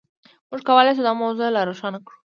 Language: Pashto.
موږ کولای شو دا موضوع لا روښانه کړو.